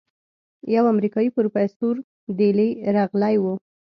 يو امريکايي پروفيسور دېلې رغلى و.